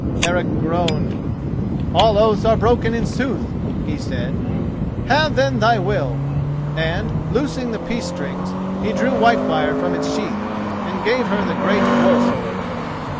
Eric groaned. "All oaths are broken in sooth," he said. "Have then thy will;" and, loosing the peace strings, he drew Whitefire from its sheath and gave her the great war sword.